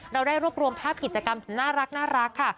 เราได้รวบรวมภาพกิจกรรมน่ารักค่ะ